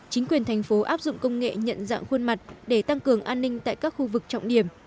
chính quyền thành phố áp dụng công nghệ nhận dạng khuôn mặt để tăng cường an ninh tại các khu vực trọng điểm